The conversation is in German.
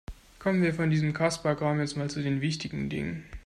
Kommen wir von diesem Kasperkram jetzt mal zu den wichtigen Dingen.